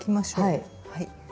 はい。